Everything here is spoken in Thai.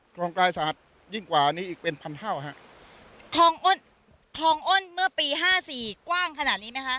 คลองกลายสะอาดยิ่งกว่านี้อีกเป็นพันเท่าฮะคลองอ้นคลองอ้นเมื่อปีห้าสี่กว้างขนาดนี้ไหมคะ